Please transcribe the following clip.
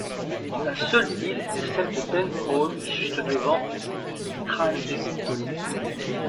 Sa seule île est celle de Dänholm juste devant Stralsund.